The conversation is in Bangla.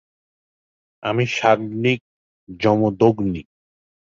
আমি সাগ্নিক জমদগ্নি।